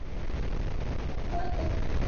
তোমার ক্ষতির জন্য আমি দুঃখিত।